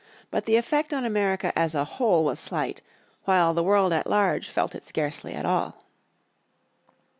But the effect of America as a whole was slight, while the world at large felt it scarcely at all.